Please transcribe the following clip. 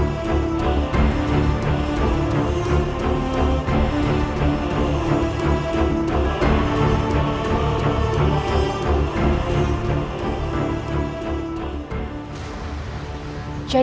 kau memang benar